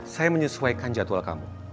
saya menyesuaikan jadwal kamu